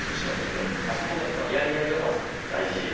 あそこのやり合いはまず大事ですね。